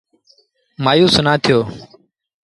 مآيوس نا ٿيو۔